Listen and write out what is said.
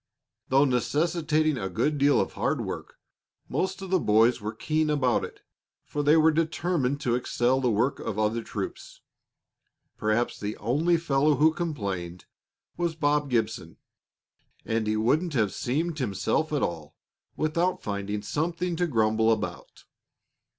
Though necessitating a good deal of hard work, most of the boys were keen about it, for they were determined to excel the work of the other troops. Perhaps the only fellow who complained was only Bob Gibson, and he wouldn't have seemed himself at all without finding something to grumble about.